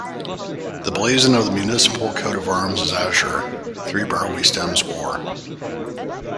The blazon of the municipal coat of arms is Azure, three Barley stems Or.